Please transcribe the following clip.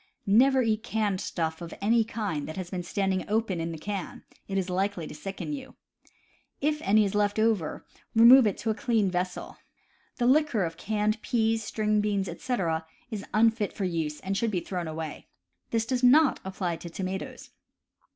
Never eat canned stuff of any kind that has been standing open in the can: it is likely to sicken you. If any is left over, remove it to a clean vessel. The liquor of canned peas, string beans, etc., is unfit for use and should be thrown away; this does not apply to tomatoes.